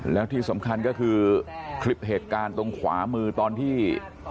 แล้วที่สำคัญก็คือคลิปเหตุการณ์ตรงขวามือตอนที่